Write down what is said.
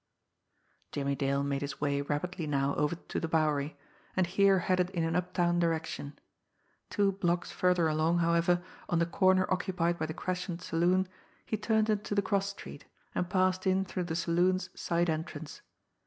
Jimmie Dale made his way rapidly now over to the Bowery, and here headed in an uptown direction. Two blocks further along, however, on the corner occupied by the Crescent saloon, he turned into the cross street, and passed in through the saloon's side entrance.